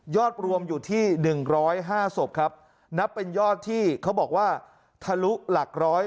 รวมอยู่ที่๑๐๕ศพครับนับเป็นยอดที่เขาบอกว่าทะลุหลักร้อย